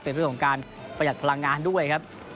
เป็นเรื่องของการประหยัดพลังงานด้วยครับ